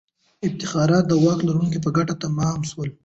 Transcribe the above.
افتخارات د واک لرونکو په ګټه تمام سول.